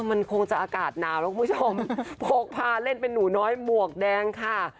มันคงจะอากาศหนาวแล้วคุณผู้ชมพกพาเล่นเป็นหนูน้อยหมวกแดงค่ะ